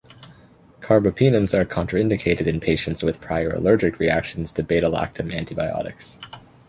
Carbapenems are contraindicated in patients with prior allergic reactions to beta lactam antibiotics.